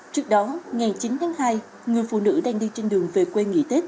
trước đó ngày chín tháng hai người phụ nữ đang đi trên đường về quê nghỉ tết